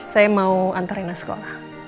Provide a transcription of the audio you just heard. saya mau antar rina sekolah